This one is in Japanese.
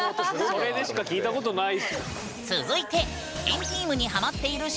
それでしか聞いたことない。